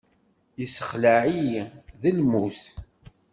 Yessexleɛ-iyi, d lmut.